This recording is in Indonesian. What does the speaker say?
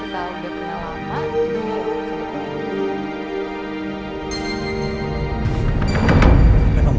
karena kita udah pernah lama